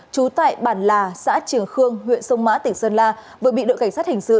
trú tại bản là xã trường khương huyện sông mã tỉnh sơn la vừa bị đội cảnh sát hình sự